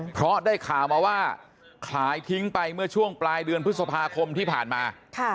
เพราะได้ข่าวมาว่าขายทิ้งไปเมื่อช่วงปลายเดือนพฤษภาคมที่ผ่านมา